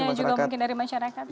ide nya juga mungkin dari masyarakat